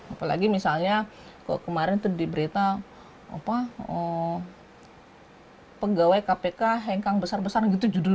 apalagi misalnya kemarin itu diberita pegawai kpk hengkang besar besar gitu judul